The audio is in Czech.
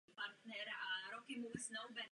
Singl se dostal na vrchol britské hitparády.